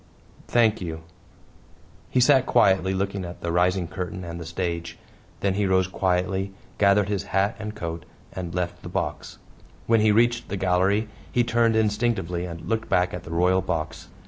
"Thank you." He sat silently looking at the rising curtain and the stage. Then he rose quietly, gathered his hat and coat, and left the box. When he reached the gallery he turned instinctively and looked back at the royal box.